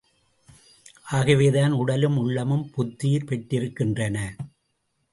ஆகவேதான், உடலும் உள்ளமும் புத்துயிர் பெற்றிருக்கின்றன!